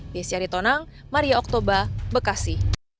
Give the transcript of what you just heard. desyari tonang maria oktober bekasi